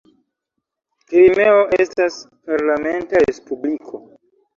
Krimeo estas parlamenta respubliko.